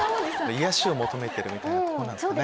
癒やしを求めてるみたいなとこなんですかね。